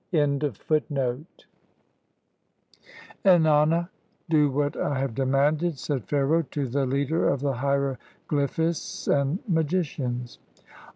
"Ennana, do what I have demanded," said Pharaoh to the leader of the hierogljphists and magicians.